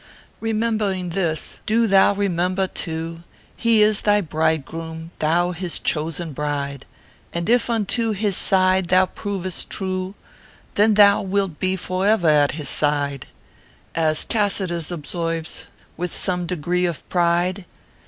Rememb ring this, do thou remember, too, He is thy bridegroom, thou his chosen bride; And if unto his side thou provest true, Then thou wilt bo for ever at his side ; As Tacitus observes, with some degree of pride.